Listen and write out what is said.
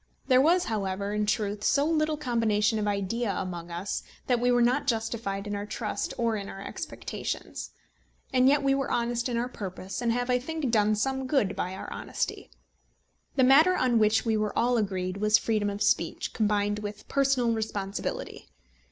There was, however, in truth so little combination of idea among us, that we were not justified in our trust or in our expectations. And yet we were honest in our purpose, and have, I think, done some good by our honesty. The matter on which we were all agreed was freedom of speech, combined with personal responsibility.